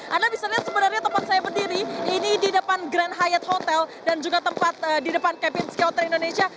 anda bisa lihat sebenarnya tempat saya berdiri ini di depan grand hayat hotel dan juga tempat di depan cabin skilter indonesia